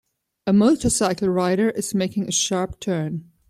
A motorcycle rider is making a sharp turn.